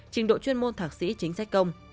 trình độ chuyên môn thạc sĩ chính sách công